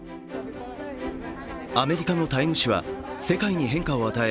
アメリカの「タイム」誌は世界に変化を与え